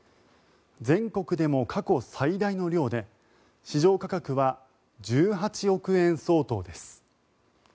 全国でも過去最大の量で市場価格は１８億円相当です。